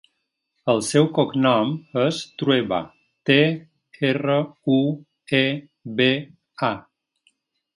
El seu cognom és Trueba: te, erra, u, e, be, a.